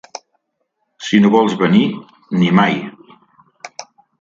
Si no vols venir, ni mai!